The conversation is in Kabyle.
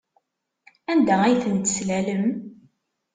Anda ay tent-teslalem?